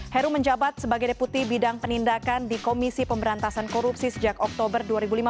heru menjabat sebagai deputi bidang penindakan di komisi pemberantasan korupsi sejak oktober dua ribu lima belas